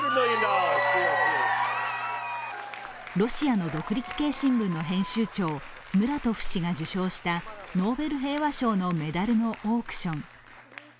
ロシアの独立系新聞の編集長、ムラトフ氏が受賞したノーベル平和賞のメダルのオークション。